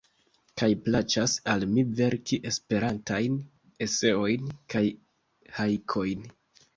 Kaj plaĉas al mi verki Esperantajn eseojn kaj hajkojn.